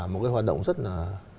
một cái hoạt động rất là